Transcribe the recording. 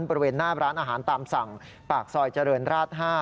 บริเวณหน้าร้านอาหารตามสั่งปากซอยเจริญราช๕